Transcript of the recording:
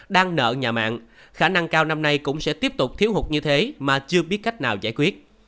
đang nợ nhà mạng khả năng cao năm nay cũng sẽ tiếp tục thiếu hụt như thế mà chưa biết cách nào giải quyết